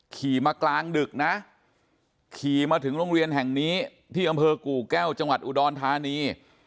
ขี่มากลางดึกนะขี่มาถึงโรงเรียนแห่งนี้ที่อำเภอกู่แก้วจังหวัดอุดรธานี